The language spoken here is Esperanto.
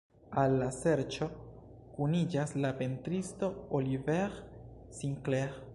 Al la serĉo kuniĝas la pentristo Olivier Sinclair.